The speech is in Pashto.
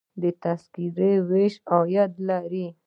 د تذکرو ویش عاید لري